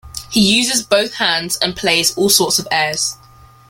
He uses both hands and plays all sorts of airs.